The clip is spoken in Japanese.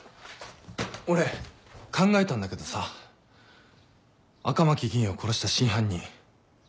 俺考えたんだけどさ赤巻議員を殺した真犯人俺たちで捜さないか？